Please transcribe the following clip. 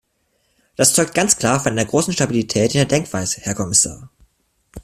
Das zeugt ganz klar von einer großen Stabilität in der Denkweise, Herr Kommissar.